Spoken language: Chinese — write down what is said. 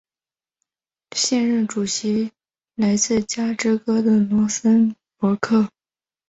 现任主席为来自芝加哥的罗森博格。